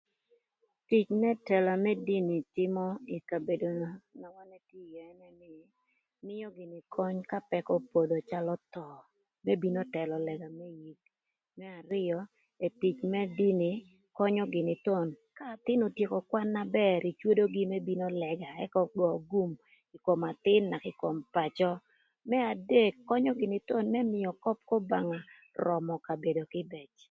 Tic n'ëtëla më dini tïmö ï kabedona mïö gïnï köny ka pëkö opodho calö thöö më bino tëlö lëga, më arïö tic na gïn könyö gïnï thon ka athïn otyeko kwan na bër ecwodogï më bino ï lëga ëk göö gum ï kom athïn naka thon ï kom pacö, më adek könyö gïnï thon më mïö köp k'Obanga römö kabedo kïbëc.